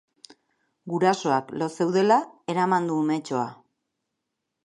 Gurasoak lo zeudela eraman du umetxoa.